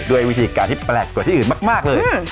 ด้วยวิธีการที่แปลกกว่าที่อื่นมากเลย